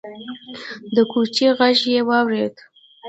د کوچي غږ يې واورېد: